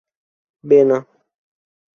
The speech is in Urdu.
بینا